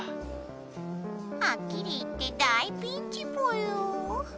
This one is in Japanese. はっきり言って大ピンチぽよ。